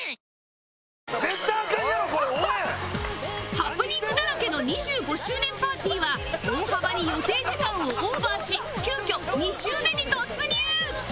ハプニングだらけの２５周年パーティーは大幅に予定時間をオーバーし急遽２週目に突入！